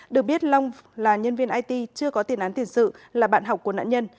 được biết long là nhân viên it chưa có tiền án tiền sự là bạn học của nạn nhân